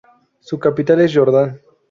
Su capital es Jordán.